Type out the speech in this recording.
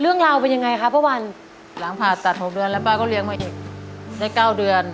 เรื่องราวเป็นยังไงคะป้าวันหลังผ่าตัด๖เดือนแล้วป้าก็เลี้ยงมาอีกได้เก้าเดือน